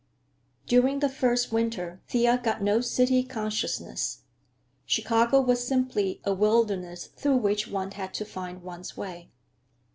During this first winter Thea got no city consciousness. Chicago was simply a wilderness through which one had to find one's way.